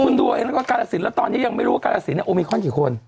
คุณดูเองแล้วก็กาลสินแล้วตอนนี้ยังไม่รู้ว่ากาลสินโอมิคอนกี่คน